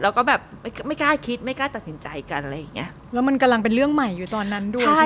แล้วก็แบบไม่กล้าคิดไม่กล้าตัดสินใจกันอะไรอย่างเงี้ยแล้วมันกำลังเป็นเรื่องใหม่อยู่ตอนนั้นด้วย